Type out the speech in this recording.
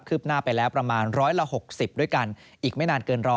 คืบหน้าไปแล้วประมาณร้อยละหกสิบด้วยกันอีกไม่นานเกินรอ